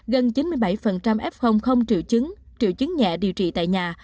gần chín mươi bảy f không triệu chứng triệu chứng nhẹ điều trị tại nhà